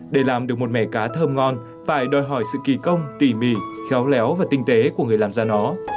để làm được một mẻ cá thơm ngon phải đòi hỏi sự kỳ công tỉ mỉ khéo léo và tinh tế của người làm ra nó